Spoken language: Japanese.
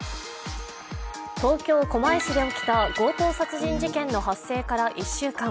東京・狛江市で起きた強盗殺人事件の発生から１週間。